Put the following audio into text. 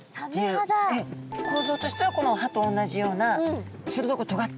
構造としてはこの歯と同じような鋭くとがった。